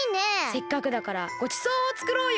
せっかくだからごちそうをつくろうよ！